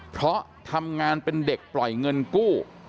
เพราะทำงานเป็นเด็กปล่อยเงินกู้